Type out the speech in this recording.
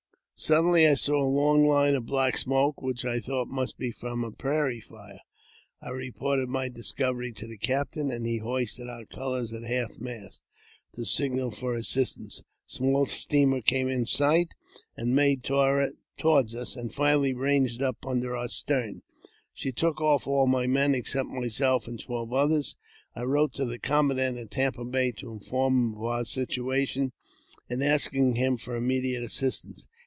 Suddenly I saw a long line of black smoke, which I thought must be from a prairie fire. I reported my discovery to the captain, and he hoisted our colours at half mast, to signal for assistance. A small steamer came in sight, and made toward us, and finally ranged up under our stern. She took off all my men except myself and twelve others. I wrote to the commandant at Tampa Bay to inform him of our situation, and asking him for immediate assistance.